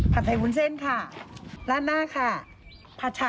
ผัดไทยภูมิเส้นค่ะฮะ